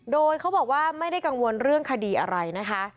โดยเขาบอกว่าไม่ได้กังวลเรื่องคดีอะไรนะคะ